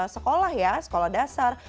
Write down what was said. sekolah ya sekolah dasar